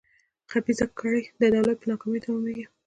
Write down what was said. خبیثه کړۍ د دولت په ناکامۍ تمامېږي.